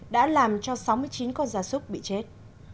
đã làm cho sáu mươi chín con gia súc bị chết